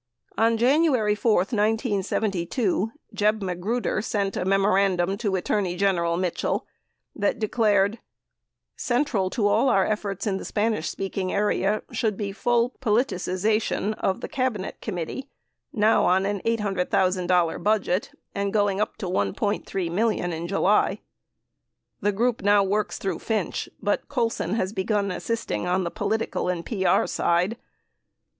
17 On January 4, 1972, Jeb Magruder sent a memorandum to Attorney General Mitchell that declared : Central to all our efforts [in the Spanish speaking area] should be full politicization of the Cabinet Committee, now on an $800,000 budget and going up to $1.3 million in July. The group now works through Finch, but Colson has begun assisting on the political and P.R. side.